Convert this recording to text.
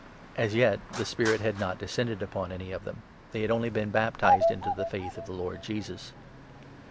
(As yet the Spirit had not descended upon any of them ; they had only been baptized into the Faith of the Lord Jesus).